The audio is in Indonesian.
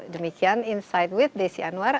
demikian insight with desi anwar